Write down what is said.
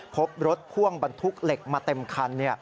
พบรถพ่วงบรรทุกเหล็กมาเต็มคัน